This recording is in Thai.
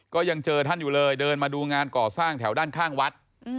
ก็ยังเจอท่านอยู่เลยเดินมาดูงานก่อสร้างแถวด้านข้างวัด